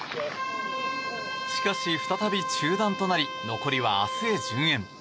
しかし、再び中断となり残りは明日へ順延。